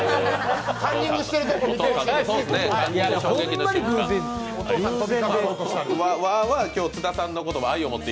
カンニングしてるところ見て。